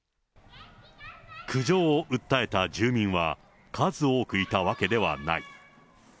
苦情を訴えた住民は数多くいたわけではない。